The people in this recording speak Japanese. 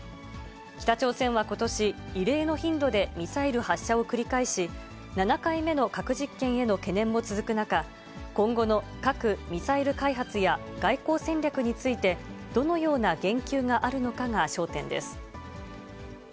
北朝鮮はことし、異例の頻度でミサイル発射を繰り返し、７回目の核実験への懸念も続く中、今後の核・ミサイル開発や外交戦略について、どのような言及があるのかが焦点です。